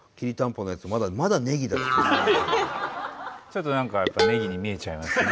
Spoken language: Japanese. ちょっと何かネギに見えちゃいますね。